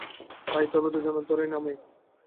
আয় তবে, দুজনে ধরেই নামাই।